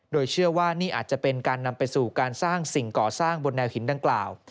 โดยเชื่อว่านี่อาจจะเป็นการนำไปสู่การสร้างสิ่งก่อสร้างบนแนวหินดังกล่าว